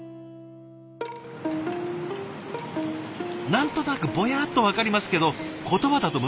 何となくボヤッと分かりますけど言葉だと難しい。